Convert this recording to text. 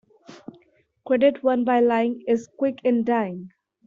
Credit won by lying is quick in dying.